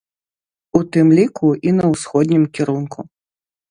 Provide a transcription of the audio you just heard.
У тым ліку, і на ўсходнім кірунку.